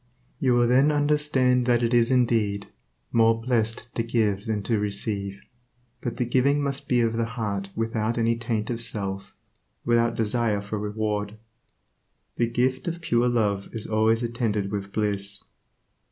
You will then understand that it is indeed "more blessed to give than to receive." But the giving must be of the heart without any taint of self, without desire for reward. The gift of pure love is always attended with bliss.